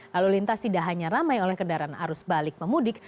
lalu lintas tidak hanya ramai oleh kendaraan arus balik pemudik